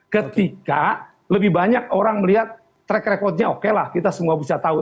karena lebih banyak orang melihat track record nya okelah kita semua bisa tahu